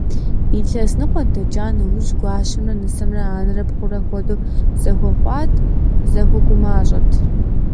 Илъэс ныкъуэ дэкӀа нэужь, гуащэмрэ нысэмрэ анэрэ пхъурэ хуэдэу зэхуэхъуат, зэхуэгумащӀэт.